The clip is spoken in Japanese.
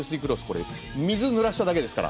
これ水で濡らしただけですから。